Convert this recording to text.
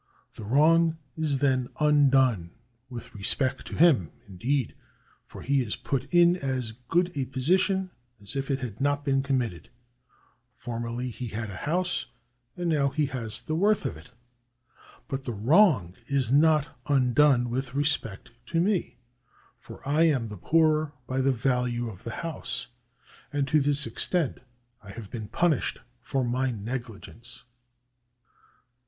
The wrong is then undone with respect to him, indeed, for he is put in as good a position as if it had not been committed. Formerly he had a house, and now he has the worth of it. But the wrong is not undone with respect to me, for I am the poorer by the value of the house, and to this extent I have been punished for my negli gence.